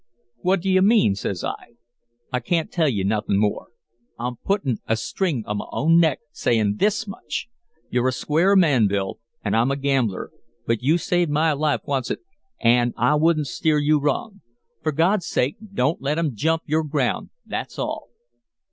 "'What do you mean?' says I. "'I can't tell you nothin' more. I'm puttin' a string on my own neck, sayin' THIS much. You're a square man, Bill, an' I'm a gambler, but you saved my life oncet, an' I wouldn't steer you wrong. For God's sake, don't let 'em jump your ground, that's all.'